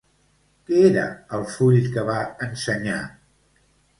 Què era el full que va ensenyar?